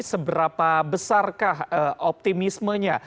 seberapa besarkah optimismenya